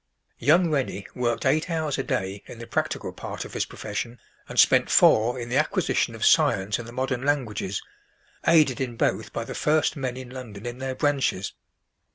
Young Rennie worked eight hours a day in the practical part of his profession, and spent four in the acquisition of science and the modern languages, aided in both by the first men in London in their branches.